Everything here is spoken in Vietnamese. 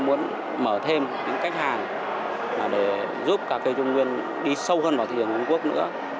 muốn mở thêm những cách hàng để giúp cà phê trung nguyên đi sâu hơn vào thị trường trung quốc nữa